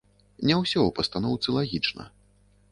Не ўсё ў пастаноўцы лагічна.